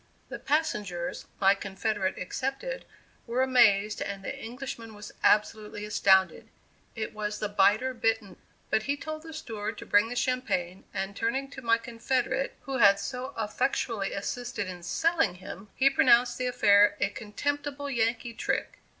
The passengers, my confederate excepted, were amazed and the Englishman was absolutely astounded. It was the biter bitten. But he told the steward to bring the champagne, and turning to my confederate who had so effectually assisted in "selling" him, he pronounced the affair "a contemptible Yankee trick."